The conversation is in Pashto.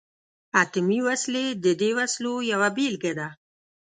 اتمي وسلې د دې وسلو یوه بیلګه ده.